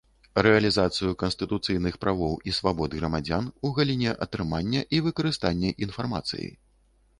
Рэалiзацыю канстытуцыйных правоў i свабод грамадзян у галiне атрымання i выкарыстання iнфармацыi.